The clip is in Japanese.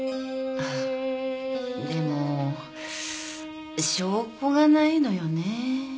ああでも証拠がないのよね。